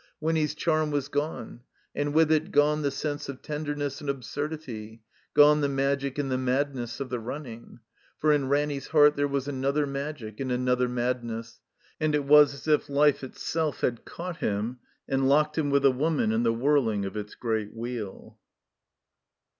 Winny's charm was gone; and with it gone the sense of tenderness and absurdity; gone the magic and the madness of the running. For in Ranny's heart there was another magic and another madness. And it was as if Life itself had caught him and locked him with' a woman in the whirling of its Great Wheel.